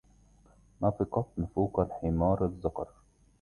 نفقت نفوق الحمار الذكر